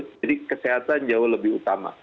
jadi kesehatan jauh lebih utama